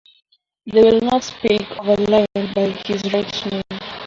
They will not speak of a lion by his right name.